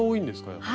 やっぱり。